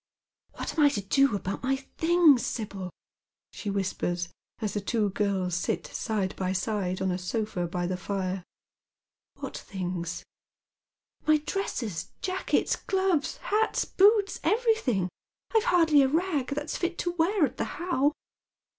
" What am I to do about my things, Sibyl ?" she whispers, as the two girls sit side by side on a sofa by the fire. "What things?" "My dresses, jackets, gloves, hats, boots, everything. I've hardly a rag that's fit to wear at the How."